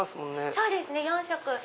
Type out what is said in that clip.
そうですね４色。